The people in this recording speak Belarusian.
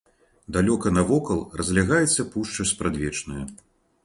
Далёка навакол разлягаецца пушча спрадвечная.